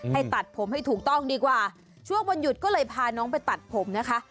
ให้ตัดผมให้ถูกต้องดีกว่าช่วงวันหยุดก็เลยพาน้องไปตัดผมนะคะ